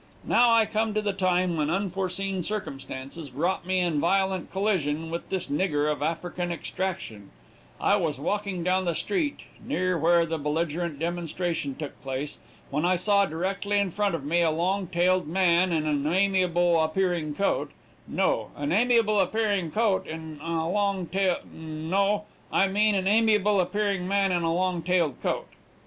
Now I come to the time when unforeseen circumstances brought me in violent collision with this nigger of African extraction; I was walking down the street, near where the belligerent demonstration took place, when I saw directly in front of me a long tailed man in an amiable appearing coat no an amiable appearing coat in a long tailed no I mean an amiable appearing man in a long tailed coat.